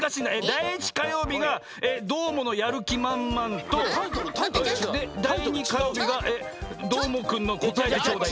第１火曜日が「どーものやるきまんまん」とで第２火曜日が「どーもくんのこたえてちょうだい」。